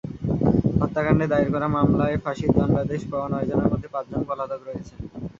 হত্যাকাণ্ডে দায়ের করা মামলায় ফাঁসির দণ্ডাদেশ পাওয়া নয়জনের মধ্যে পাঁচজন পলাতক রয়েছেন।